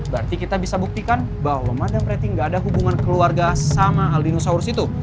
berarti kita bisa buktikan bahwa madame preti gak ada hubungan keluarga sama albinosaurus itu